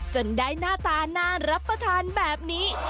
จนได้หน้าตาน่ารับประทานแบบนี้